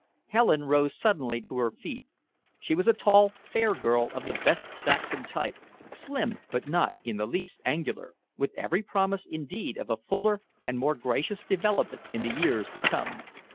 Helen rose suddenly to her feet. She was a tall, fair girl of the best Saxon type, slim but not in the least angular, with every promise, indeed, of a fuller and more gracious development in the years to come.